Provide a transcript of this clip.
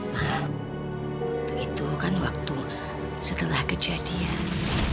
ma itu kan waktu setelah kejadian